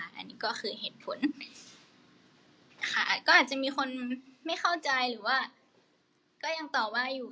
อันนี้ก็คือเหตุผลค่ะก็อาจจะมีคนไม่เข้าใจหรือว่าก็ยังตอบว่าอยู่